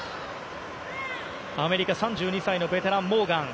アメリカ、３２歳のベテランモーガン。